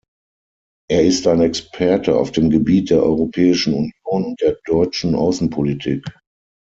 Er ist ein Experte auf dem Gebiet der Europäischen Union und der deutschen Außenpolitik.